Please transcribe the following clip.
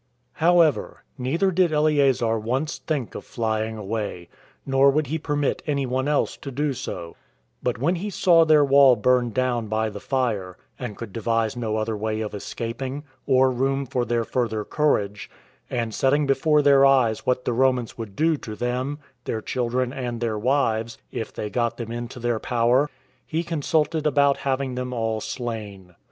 However, neither did Eleazar once think of flying away, nor would he permit any one else to do so; but when he saw their wall burned down by the fire, and could devise no other way of escaping, or room for their further courage, and setting before their eyes what the Romans would do to them, their children, and their wives, if they got them into their power, he consulted about having them all slain.